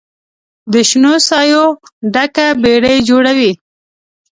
د شنو سایو ډکه بیړۍ جوړوي